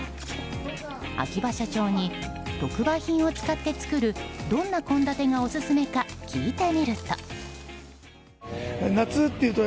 秋葉社長に、特売品を使って作るどんな献立がオススメか聞いてみると。